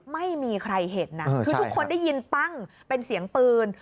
ไม่มีใครเห็นนะคือทุกคนได้ยินปั้งเป็นเสียงปืน